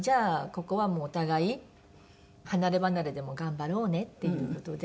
ここはもうお互い離ればなれでも頑張ろうねっていう事で。